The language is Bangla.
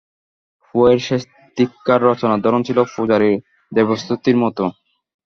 পো-এর শেষদিককার রচনার ধরন ছিল পূজারির দেবস্তৃতির মতো।